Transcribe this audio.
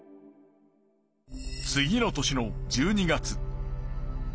次の年の１２月。